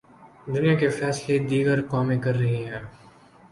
دنیا کے فیصلے دیگر قومیں کررہی ہیں۔